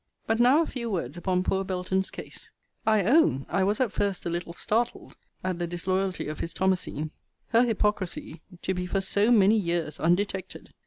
But now a few words upon poor Belton's case. I own I was at first a little startled at the disloyalty of his Thomasine. Her hypocrisy to be for so many years undetected!